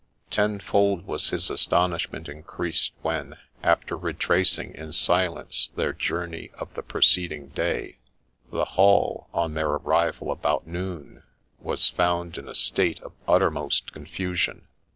Tenfold was his astonishment increased when, after retracing in silence their journey of the preceding day, the Hall, on their arrival about noon, was found in a state of uttermost confusion.